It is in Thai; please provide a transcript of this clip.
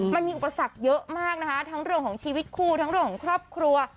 มันมีอุปสรรคเยอะมากนะคะทั้งเรื่องของชีวิตคู่ทั้งเรื่องของครอบครัว